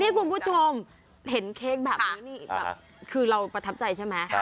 นี่คุณผู้ชมเห็นเค้กแบบนี้นี่แบบคือเราประทับใจใช่ไหม